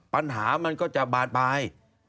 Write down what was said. ปัญหามันก็จะบาดไป